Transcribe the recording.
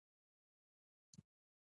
دا د اهدافو لپاره د وسایلو تدارک دی.